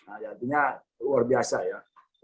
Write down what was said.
artinya luar biasa ya